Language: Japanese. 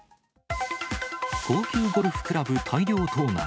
高級ゴルフクラブ大量盗難。